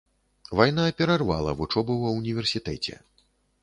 Вайна перарвала вучобу ва ўніверсітэце.